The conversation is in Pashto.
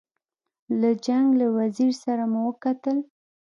له جنګ له وزیر سره مو وکتل.